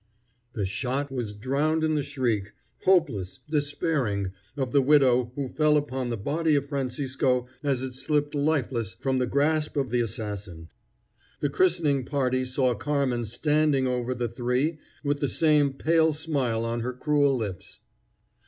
The shot was drowned in the shriek, hopeless, despairing, of the widow who fell upon the body of Francisco as it slipped lifeless from the grasp of the assassin. The christening party saw Carmen standing over the three with the same pale smile on her cruel lips.